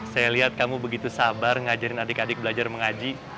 saya lihat kamu begitu sabar ngajarin adik adik belajar mengaji